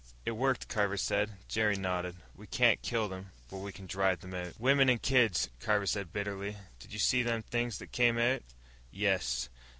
"It worked," Carver said. Jerry nodded. "We can't kill them. But we can drive them out." "Wimmen and kids," Carver said bitterly. "Did you see them things that came out?" "Yes."